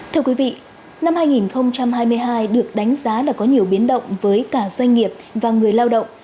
thưa quý vị năm hai nghìn hai mươi hai được đánh giá là có nhiều biến động với cả doanh nghiệp và người lao động